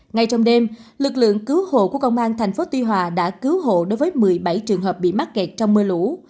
ngay trong đêm lực lượng cứu hộ của công an tp tuy hòa đã cứu hộ đối với một mươi bảy trường hợp bị mắc kẹt trong mưa lũ